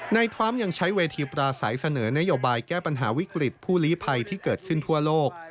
ทรัมป์ยังใช้เวทีปราศัยเสนอนโยบายแก้ปัญหาวิกฤตผู้ลีภัยที่เกิดขึ้นทั่วโลก